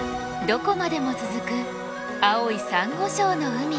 どこまでも続く青いサンゴ礁の海。